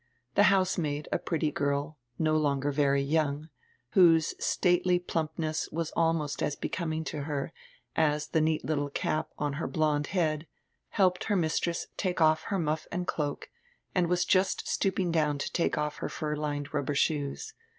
The housemaid, a pretty girl, no longer very young, whose stately plumpness was almost as becoming to her as die neat little cap on her blonde head, helped her mistress take off her muff and cloak, and was just stooping down to take off her fur lined rubber shoes.